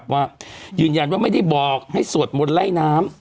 ว่ายืนยันว่าไม่ได้บอกให้สวดมนต์ไล่น้ำ